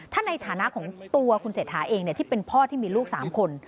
ถ้าในฐานะของตัวคุณเศรษฐาเองที่เป็นพ่อที่มีลูก๓คน